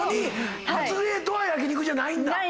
初デートは焼肉じゃないんだ。